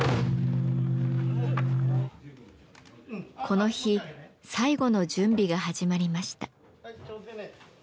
この日最後の準備が始まりました。